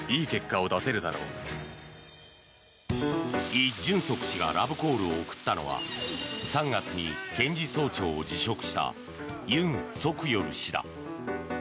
イ・ジュンソク氏がラブコールを送ったのは３月に検事総長を辞職したユン・ソクヨル氏だ。